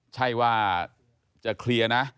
ใช่ว่าจะเคลียร์นะ